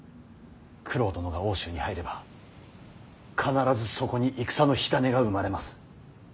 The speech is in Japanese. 九郎殿が奥州に入れば必ずそこに戦の火種が生まれます。